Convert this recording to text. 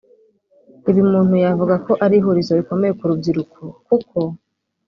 Ibi umuntu yavuga ko ari ihurizo rikomeye ku rubyiruko kuko